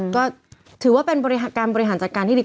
ก็ถือว่าเป็นบริหารบริหารจัดการที่ดี